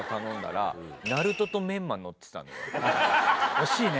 惜しいね。